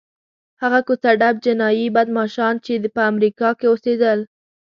هغه کوڅه ډب جنایي بدماشان چې په امریکا کې اوسېدل.